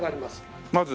まず。